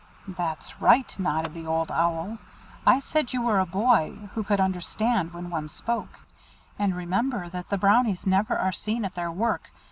"That's right," nodded the Old Owl. "I said you were a boy who could understand when one spoke. And remember that the Brownies never are seen at their work.